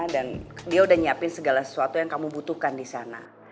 dan dia udah nyiapin segala sesuatu yang kamu butuhkan disana